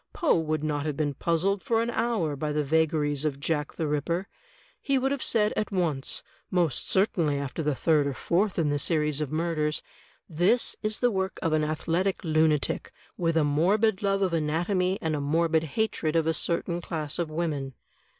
Poe would not have been puzzled for an hour by the vagaries of Jack the Ripper. He would have said at once — most certainly after the third or fourth in the series of murders — 'This is the work of an athletic lunatic, with a morbid love of anatomy and a morbid hatred of a certain class of women.